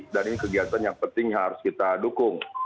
dan ini kegiatan yang penting harus kita dukung